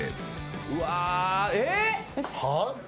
うわえっ！